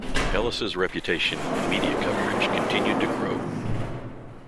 Ellis' reputation and media coverage continued to grow.